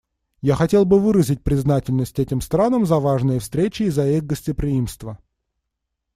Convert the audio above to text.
Я хотел бы выразить признательность этим странам за важные встречи и за их гостеприимство.